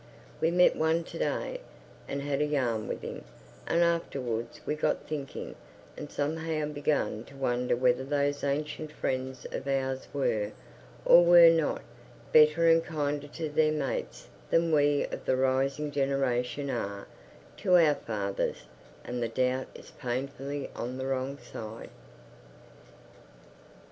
We met one to day, and had a yarn with him, and afterwards we got thinking, and somehow began to wonder whether those ancient friends of ours were, or were not, better and kinder to their mates than we of the rising generation are to our fathers; and the doubt is painfully on the wrong side.